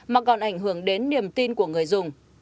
mà còn ảnh hưởng đến niềm tin của người dùng